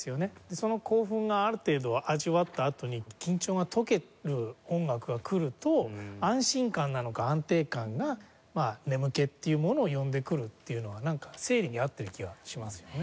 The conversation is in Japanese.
その興奮がある程度味わったあとに緊張が解ける音楽がくると安心感なのか安定感が眠気っていうものを呼んでくるっていうのはなんか生理に合ってる気がしますよね。